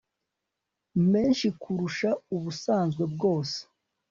menshi kurusha ubusanzwe bwose